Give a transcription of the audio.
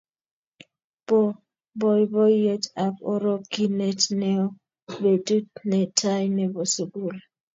bo boiboiet ak orokinet neoo betut ne tai nebo sukul